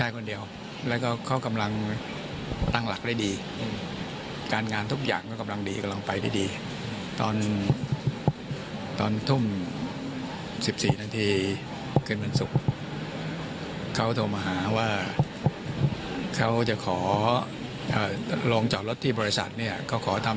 เขาก็ขอทำเป็นอู๋ซ่อมบิ๊กไบท์ได้ไหม